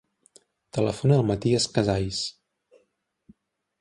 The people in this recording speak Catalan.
Telefona al Matías Casais.